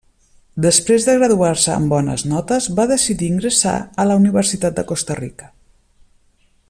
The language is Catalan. Després de graduar-se amb bones notes va decidir ingressar a la Universitat de Costa Rica.